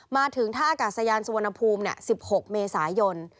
มาถึงท่าอากาศยานสุวรรณภูมิ๑๖เมษายน